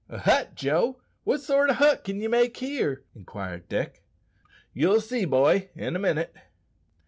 "A hut, Joe! what sort o' hut can ye make here?" inquired Dick. "Ye'll see, boy, in a minute."